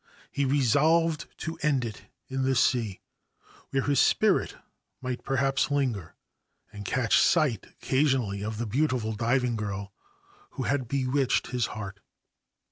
He resolved to end it in the sea, where his spirit might perhaps linger and catch sight occasionally of the beautiful diving girl who had bewitched his heart.